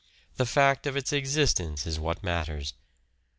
The fact of its existence is what matters.